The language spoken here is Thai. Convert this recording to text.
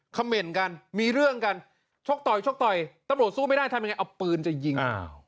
เขม่นกันมีเรื่องกันชกต่อยชกต่อยตำรวจสู้ไม่ได้ทำยังไงเอาปืนจะยิง